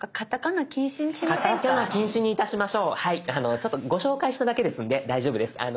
ちょっとご紹介しただけですんで大丈夫です。